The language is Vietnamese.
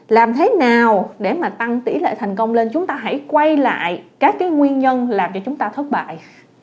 làm thế nào để mà tăng tỷ lệ thành công lên chúng ta hãy quay lại các cái nguyên nhân làm cho chúng ta thất bại